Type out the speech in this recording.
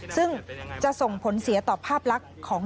ซึ่งจะส่งผลเสียต่อภาพลักษณ์ของ